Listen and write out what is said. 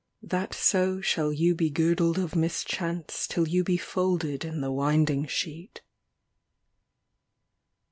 That so shall you be girdled of mischance Till you be folded in the winding sheet.